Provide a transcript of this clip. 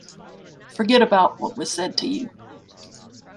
Forget about what was said to you.